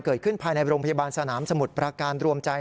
เกิดขึ้นภายในโรงพยาบาลสนามสมุทรประการรวมจัย๕